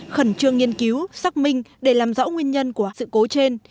khẩn trương nghiên cứu xác minh để làm rõ nguyên nhân của sự cố trên